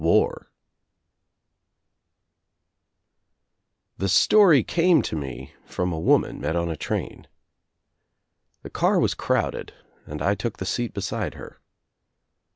WAR i I npHE story came to me from a woman met on a train. The car was crowded and I took the seat beside her.